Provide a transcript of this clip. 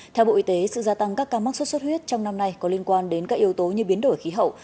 theo bộ y tế sự gia tăng các ca mắc sốt xuất huyết trong năm nay có liên quan đến các yếu tố như biến đổi khí hậu